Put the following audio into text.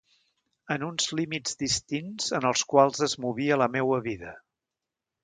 En uns límits distints en els quals es movia la meua vida.